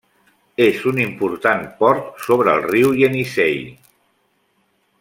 És un important port sobre el riu Ienissei.